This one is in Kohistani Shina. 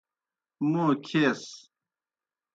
موں کھیس۔